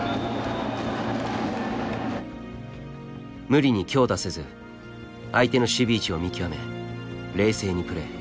無理に強打せず相手の守備位置を見極め冷静にプレー。